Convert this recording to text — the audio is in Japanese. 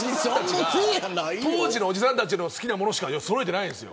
当時のおじさんたちの好きなものしかそろえてないんです。